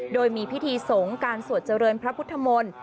โดยมีพิธีสงฆ์การสวดเจริญพระพุทธมนตร์